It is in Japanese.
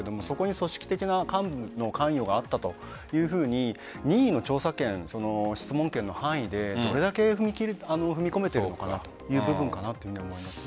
組織的な幹部の関与があったと任意の調査権質問権の範囲でどれだけ踏み込めているのかという部分かなと思います。